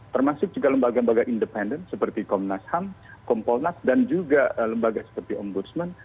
termasuk juga lembaga lembaga independen seperti komnas ham kompolnas dan juga lembaga seperti ombudsman